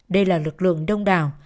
đây là lực lượng đông đảo